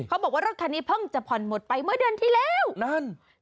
เขาบอกว่ารถคันนี้เพิ่งจะผ่อนหมดไปเมื่อเดือนที่แล้ว